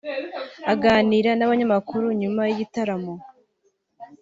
Aganira n’abanyamakuru nyuma y'igitaramo